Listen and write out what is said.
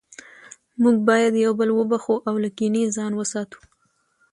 موږ باید یو بل وبخښو او له کینې ځان وساتو